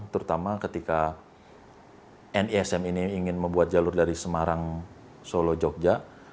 terutama ketika nism ini ingin membuat jalur dari semarang solo jogja